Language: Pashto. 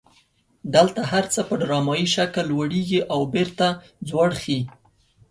دلته هر څه په ډرامایي شکل لوړیږي او بیرته ځوړ خي.